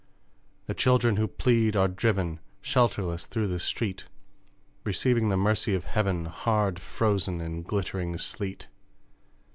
The children who plead are driven, Shelterless, through the street, Receiving the Mercy of heaven Hard frozen in glittering Sleet!